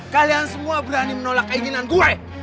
kalian semua berani menolak keinginan turai